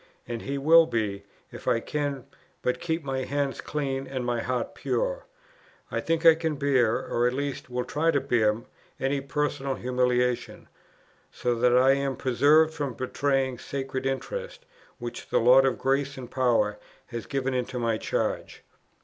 and He will be, if I can but keep my hand clean and my heart pure. I think I can bear, or at least will try to bear, any personal humiliation, so that I am preserved from betraying sacred interests, which the Lord of grace and power has given into my charge."